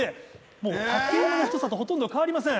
もう竹馬の太さとほとんど変わりません。